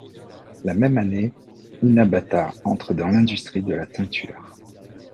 La même année, Inabata entre dans l'industrie de la teinture.